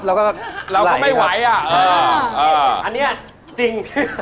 อย่างเช่น